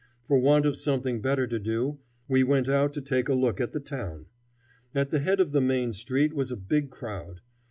For want of something better to do, we went out to take a look at the town. At the head of the main street was a big crowd.